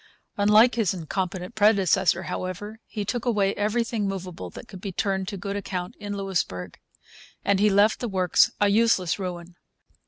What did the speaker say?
Unlike his incompetent predecessor, however, he took away everything movable that could be turned to good account in Louisbourg; and he left the works a useless ruin.